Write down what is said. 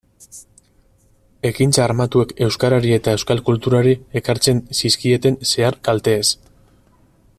Ekintza armatuek euskarari eta euskal kulturari ekartzen zizkieten zehar-kalteez.